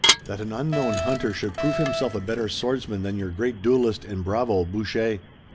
"That an unknown hunter should prove himself a better swordsman than your great duelist and bravo, Boucher."